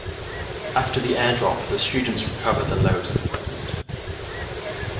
After the airdrop, the students recover the loads and equipment.